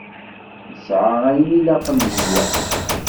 Nesɛa ayen ilaqen d lweqt.